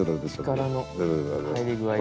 力の入り具合が。